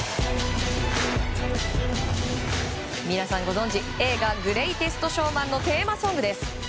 皆さん、ご存じ映画「グレイテスト・ショーマン」のテーマソングです。